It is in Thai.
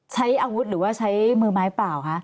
ใช้อาวุธหรือว่าใช้มือไม้เปล่าคะ